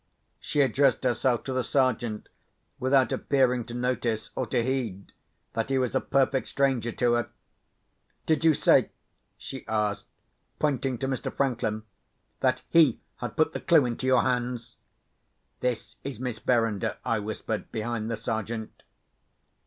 She addressed herself to the Sergeant, without appearing to notice (or to heed) that he was a perfect stranger to her. "Did you say," she asked, pointing to Mr. Franklin, "that he had put the clue into your hands?" ("This is Miss Verinder," I whispered, behind the Sergeant.)